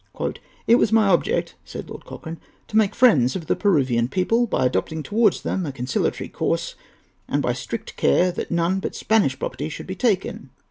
"It was my object," said Lord Cochrane, "to make friends of the Peruvian people, by adopting towards them a conciliatory course, and by strict care that none but Spanish property should be taken.